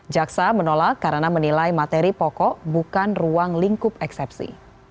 jaksa menolak karena menilai materi pokok bukan ruang lingkup eksepsi